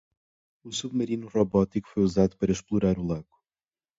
O submarino robótico foi usado para explorar o lago.